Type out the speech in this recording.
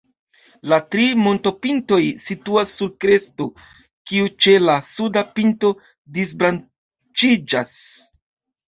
La tri montopintoj situas sur kresto, kiu ĉe la suda pinto disbranĉiĝas.